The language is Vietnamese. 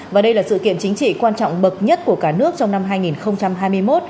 và đây là sự kiện chính trị quan trọng bậc nhất của cả nước trong năm hai nghìn hai mươi một